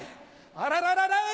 あらららい！